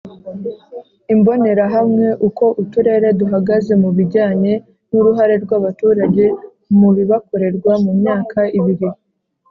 Imbonerahamwe Uko uturere duhagaze mu bijyanye n uruhare rw abaturage mu bibakorerwa mu myaka ibiri